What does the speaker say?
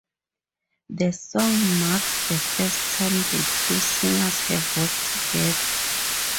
The song marks the first time the two singers have worked together.